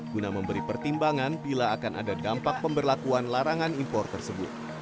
guna memberi pertimbangan bila akan ada dampak pemberlakuan larangan impor tersebut